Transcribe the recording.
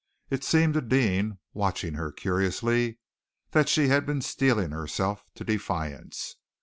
It seemed to Deane, watching her curiously, that she had been steeling herself to defiance.